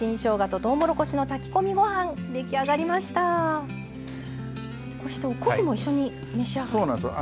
こうして昆布も一緒に召し上がる。